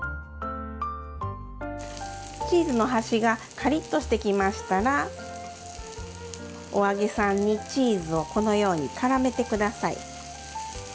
チーズの端がカリッとしてきましたらお揚げさんにチーズをこのようにからめて下さい。